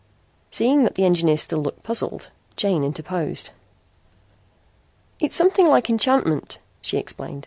Seeing that the engineer still looked puzzled, June interposed: "It's something like enchantment," she explained.